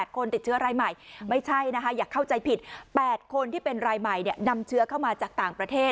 คนติดเชื้อรายใหม่ไม่ใช่นะคะอย่าเข้าใจผิด๘คนที่เป็นรายใหม่นำเชื้อเข้ามาจากต่างประเทศ